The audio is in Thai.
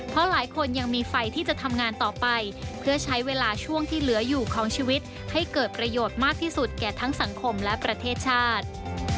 เพราะหลายคนยังมีไฟที่จะทำงานต่อไปเพื่อใช้เวลาช่วงที่เหลืออยู่ของชีวิตให้เกิดประโยชน์มากที่สุดแก่ทั้งสังคมและประเทศชาติ